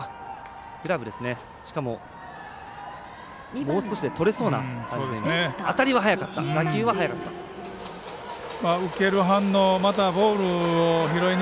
しかも、もう少しでとれそうな。